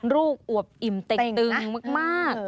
ลูกอวบอิ่มเต็งมาก